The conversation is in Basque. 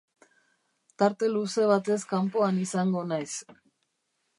Tarte luze batez kanpoan izango naiz.